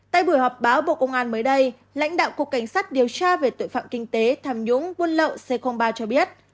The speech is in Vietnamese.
tại buổi họp báo bộ công an mới đây lãnh đạo cục cảnh sát điều tra về tội phạm kinh tế tham nhũng buôn lậu c ba cho biết